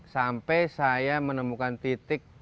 sampai saya menemukan titik